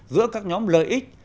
giữa các nhóm lợi ích